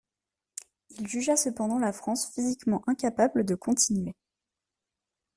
Il jugea cependant la France physiquement incapable de continuer.